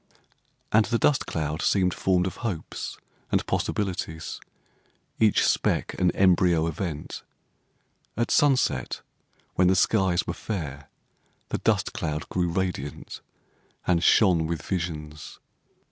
And the dust cloud seemed formed of hopes and possibilities—each speck an embryo event. At sunset, when the skies were fair, the dust cloud grew radiant and shone with visions.